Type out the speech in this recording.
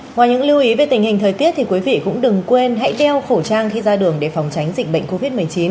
ngoài những lưu ý về tình hình thời tiết thì quý vị cũng đừng quên hãy đeo khẩu trang khi ra đường để phòng tránh dịch bệnh covid một mươi chín